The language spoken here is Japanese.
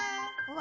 「わ！」